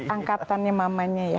angkatannya mamanya ya